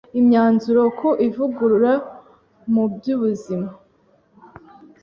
Imyanzuro ku Ivugurura mu by’Ubuzima